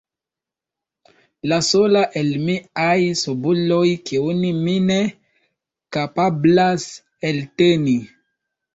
La sola el miaj subuloj, kiun mi ne kapablas elteni.